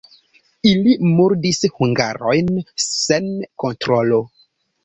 Ili murdis hungarojn sen kontrolo.